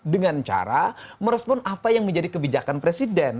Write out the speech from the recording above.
dengan cara merespon apa yang menjadi kebijakan presiden